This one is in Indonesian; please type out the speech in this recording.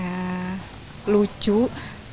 bagaimana sudah tahu kan perbedaannya